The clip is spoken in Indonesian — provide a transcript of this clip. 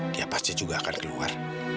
dia pasti juga akan keluar